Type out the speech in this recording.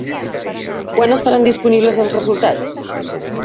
Quan estaran disponibles els resultats?